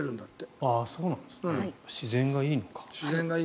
自然がいいのか。